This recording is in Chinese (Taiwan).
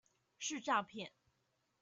是詐騙